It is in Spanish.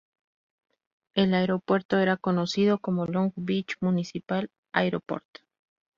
El aeropuerto era conocido como Long Beach Municipal Airport.